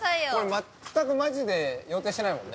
全くマジで予定してないもんね。